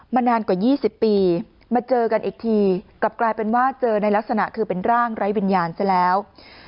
นานกว่า๒๐ปีมาเจอกันอีกทีกลับกลายเป็นว่าเจอในลักษณะคือเป็นร่างไร้วิญญาณซะแล้ว